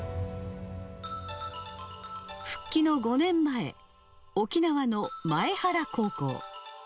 復帰の５年前、沖縄のまえはら高校。